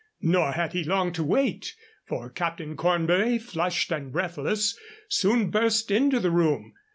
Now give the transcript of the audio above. Nor had he long to wait, for Captain Cornbury, flushed and breathless, soon burst into the room.